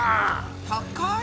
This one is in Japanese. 高い！